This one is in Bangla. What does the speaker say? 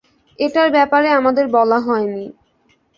এটার ব্যাপারে আমাদের বলা হয়নি।